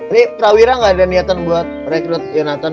ini prawira gak ada niatan buat rekrut shionatan ini